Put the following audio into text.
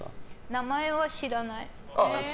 名前は知らない。